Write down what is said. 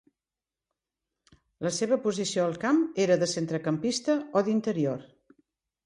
La seva posició al camp era de centrecampista o d'interior.